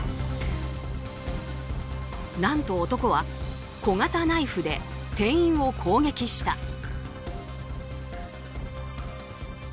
何と男は小型ナイフで店員を攻撃した。